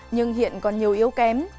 nhưng hiện còn nhiều yếu kém